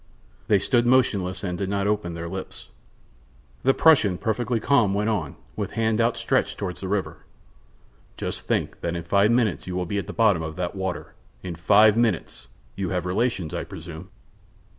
They stood motionless, and did not open their lips. The Prussian, perfectly calm, went on, with hand outstretched toward the river: "Just think that in five minutes you will be at the bottom of that water. In five minutes! You have relations, I presume?"